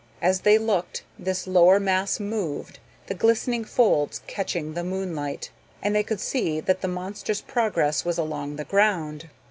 As they looked, this lower mass moved, the glistening folds catching the moonlight, and they could see that the monster's progress was along the ground.